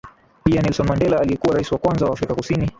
Pia Nelson Mandela aliyekuwa raisi wa kwanza wa Afrika Kusini